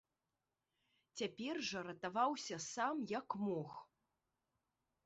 Цяпер жа ратаваўся сам як мог.